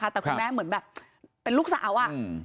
แต่คุณแม่เหมือนแบบเป็นลูกสาวอะ